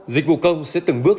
dịch vụ công sẽ từng bước